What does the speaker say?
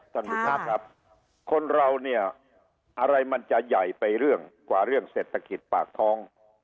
ท่านผู้ชมครับคนเราเนี่ยอะไรมันจะใหญ่ไปเรื่องกว่าเรื่องเศรษฐกิจปากท้อง